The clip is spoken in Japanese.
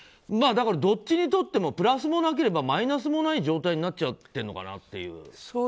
だからどっちにとってもプラスもなければマイナスもない状態になっちゃっているのかなと。